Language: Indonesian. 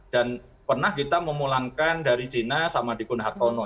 dan pernah kita memulangkan dari china sama di gunahartono